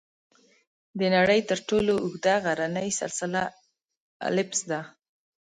د نړۍ تر ټولو اوږده غرني سلسله الپس ده.